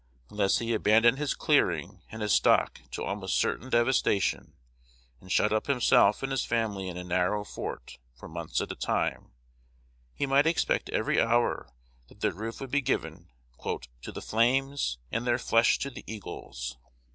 Unless he abandoned his "clearing" and his stock to almost certain devastation, and shut up himself and his family in a narrow "fort," for months at a time, he might expect every hour that their roof would be given "to the flames, and their flesh to the eagles."